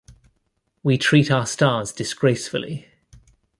We treat our stars disgracefully.